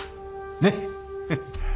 ねっ。